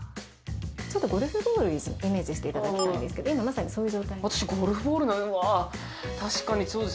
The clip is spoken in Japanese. ちょっとゴルフボールをイメージしていただきたいんですけど、今、まさにその状態です。